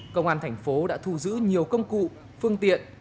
công an thành phố đã thu giữ nhiều công cụ phương tiện